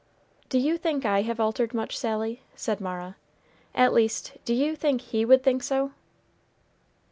"Do you think I have altered much, Sally?" said Mara; "at least, do you think he would think so?"